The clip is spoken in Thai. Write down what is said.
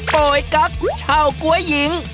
โปรยกั๊กชาวก๊วยหญิง